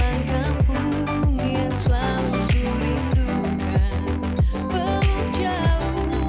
eka terima kasih banyak loh